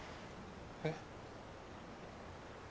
えっ？